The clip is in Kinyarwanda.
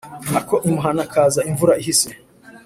Ako imuhana kaza imvura ihise.